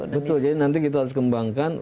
betul jadi nanti kita harus kembangkan